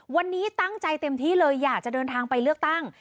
วันนี้ตั้งใจเต็มที่เลยอยากจะเดินทางไปเลือกตั้ง